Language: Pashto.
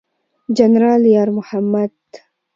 جنرال یار محمد